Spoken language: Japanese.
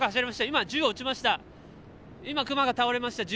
今、銃を撃ちました。